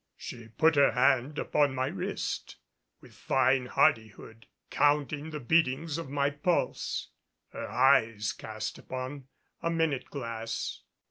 She put her hand upon my wrist, with fine hardihood counting the beatings of my pulse, her eyes cast upon a minute glass.